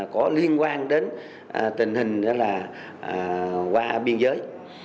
có liên quan đến tình hình qua biên giới